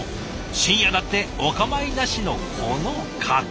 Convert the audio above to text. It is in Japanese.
深夜だってお構いなしのこの活気。